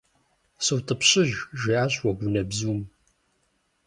СутӀыпщыж, - жиӀащ Уэгунэбзум.